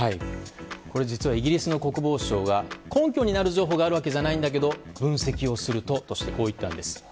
これ実はイギリスの国防相が根拠になる情報があるわけじゃないんだけど分析をするととしてこう言ったんです。